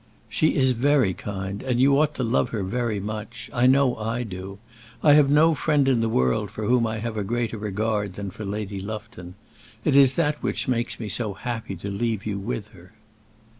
"She is very kind, and you ought to love her very much. I know I do. I have no friend in the world for whom I have a greater regard than for Lady Lufton. It is that which makes me so happy to leave you with her."